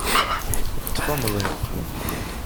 Ṭṭef amḍiq.